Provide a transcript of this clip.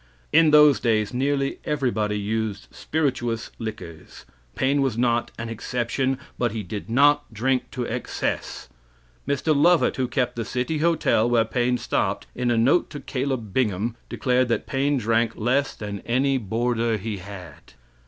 In those days nearly everybody used spirituous liquors. Paine was not an exception, but he did not drink to excess. Mr. Lovett, who kept the City Hotel, where Paine stopped, in a note to Caleb Bingham declared that Paine drank less than any boarder he had.